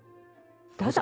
どうぞ。